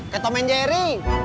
kaya tau main jerry